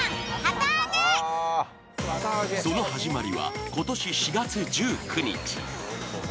その始まりは今年４月１９日。